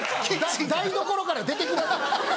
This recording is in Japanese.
台所から出てください。